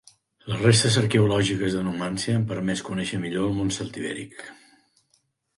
Les restes arqueològiques de Numància han permès conèixer millor el món celtibèric.